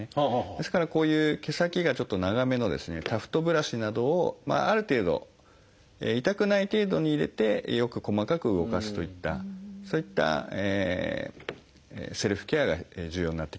ですからこういう毛先がちょっと長めのですねタフトブラシなどをある程度痛くない程度に入れてよく細かく動かすといったそういったセルフケアが重要になってきます。